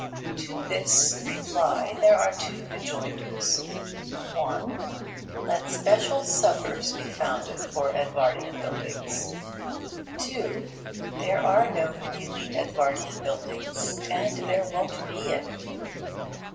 To this reply there are two rejoinders: (1) let special suburbs be founded for Edvardian buildings; (2) there are no really Edvardian buildings, and there won't be any.